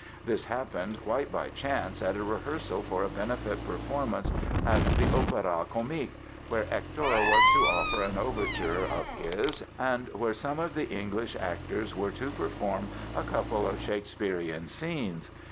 This happened quite by chance at a rehearsal for a benefit performance at the Opéra Comique where Hector was to offer an overture of his and where some of the English actors were to perform a couple of Shakespearian scenes.